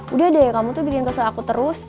udah deh kamu tuh bikin kesel aku terus